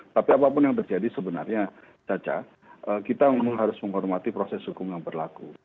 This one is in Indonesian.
tapi apapun yang terjadi sebenarnya caca kita harus menghormati proses hukum yang berlaku